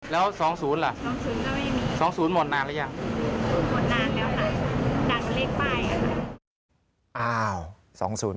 แล้ว๒๐ล่ะ๒๐หมดนานหรือยัง